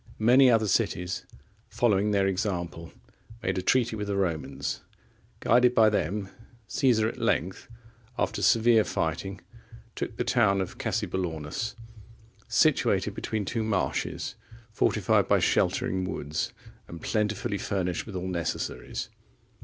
Many other cities, following their example, made a treaty with the Romans. Guided by them, Caesar at length, after severe fighting, took the town of Cassobellaunus,(37) situated between two marshes, fortified by sheltering woods, and plentifully furnished with all necessaries.